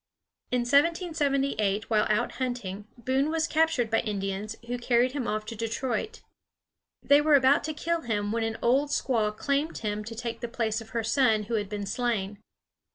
In 1778, while out hunting, Boone was captured by Indians, who carried him off to Detroit. They were about to kill him when an old squaw claimed him to take the place of her son who had been slain.